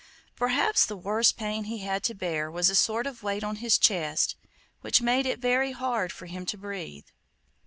Perhaps the worst pain he had to bear was a sort of weight on his chest, which made it very hard for him to breathe.